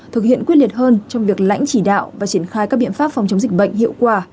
thực hiện quyết liệt hơn trong việc lãnh chỉ đạo và triển khai các biện pháp phòng chống dịch bệnh hiệu quả